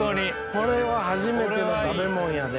これは初めての食べ物やで。